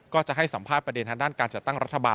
ก็จะให้สัมภาษณ์ประเด็นทางด้านการจัดตั้งรัฐบาล